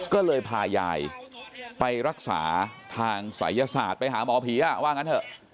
ก็เลยพายายไปรักษาทางศัยศาสตร์ไปหาหมอผีว่างั้นเถอะ